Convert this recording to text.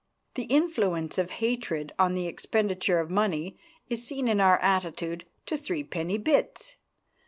The influence of hatred on the expenditure of money is seen in our attitude to threepenny bits.